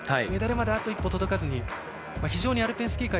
メダルまであと一歩届かずに。